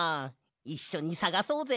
いっしょにさがそうぜ！